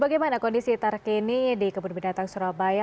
bagaimana kondisi terkini di kebun binatang surabaya